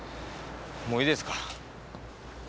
もういいですか？